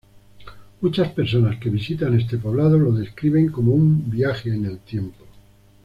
Muchas personas que visitan este poblado los describen como un viaje en el tiempo.